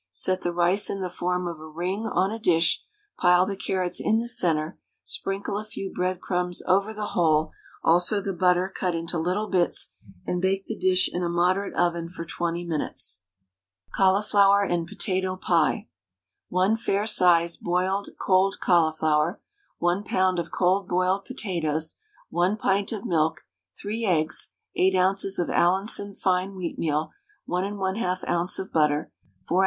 Set the rice in the form of a ring on a dish, pile the carrots in the centre, sprinkle a few breadcrumbs over the whole, also the butter cut into little bits, and bake the dish in a moderate oven for 20 minutes. CAULIFLOWER AND POTATO PIE. 1 fair sized boiled (cold) cauliflower, 1 lb. of cold boiled potatoes, 1 pint of milk, 3 eggs, 8 oz. of Allinson fine wheatmeal, 1 1/2 oz. of butter, 4 oz.